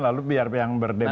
lalu biar yang berdebat